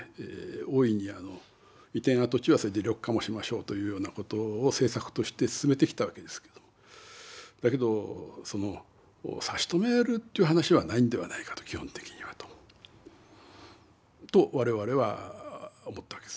大いに移転跡地は緑化もしましょうというようなことを政策として進めてきたわけですけどだけどその差し止めるという話はないんではないかと基本的にはとと我々は思ったわけです。